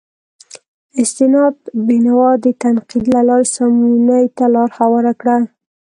استناد بینوا د تنقید له لارې سمونې ته لار هواره کړه.